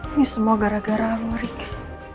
ini semua gara gara lo riki